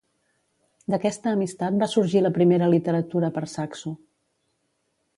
D'aquesta amistat va sorgir la primera literatura per saxo.